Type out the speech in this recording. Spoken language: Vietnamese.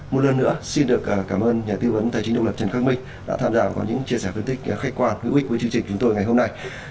một lần nữa xin được cảm ơn nhà tư vấn tài chính độc lập trần khắc minh đã tham gia và có những chia sẻ phân tích khách quan hữu ích với chương trình chúng tôi ngày hôm nay